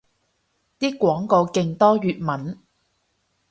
啲廣告勁多粵文